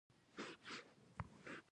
او يا بابا د وخت د فېشن مطابق